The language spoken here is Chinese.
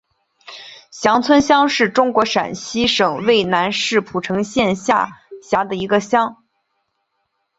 翔村乡是中国陕西省渭南市蒲城县下辖的一个乡。